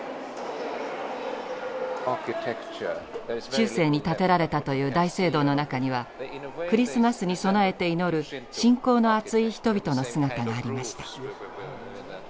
中世に建てられたという大聖堂の中にはクリスマスに備えて祈る信仰のあつい人々の姿がありました。